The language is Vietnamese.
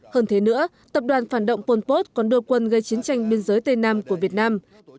hơn thế nữa tập đoàn phản động pol pot còn đưa quân gây chiến tranh biên giới tây nam của việt nam